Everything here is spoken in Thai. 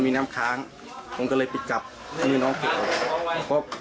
ไม่สินะครับมันก็ชนลำกับอก